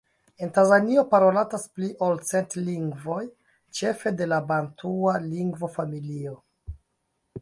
En Tanzanio parolatas pli ol cent lingvoj, ĉefe de la bantua lingvofamilio.